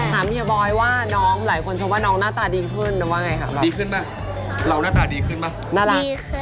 ถ้ามเหมือนบอยว่าน้องหลายคนชมว่าน้องหน้าตาดีขึ้นหรือว่าไงค่ะ